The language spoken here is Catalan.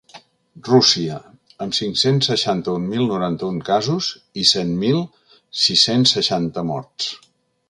Rússia, amb cinc-cents seixanta-un mil noranta-un casos i set mil sis-cents seixanta morts.